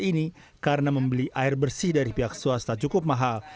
ini karena membeli air bersih dari pihak swasta cukup mahal